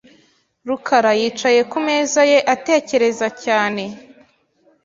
rukara yicaye ku meza ye, atekereza cyane. .